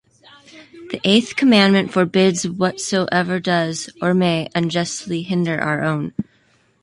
The eighth commandment forbids whatsoever does, or may, unjustly hinder our own